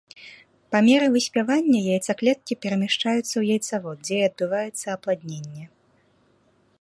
Па меры выспявання яйцаклеткі перамяшчаюцца ў яйцавод, дзе і адбываецца апладненне.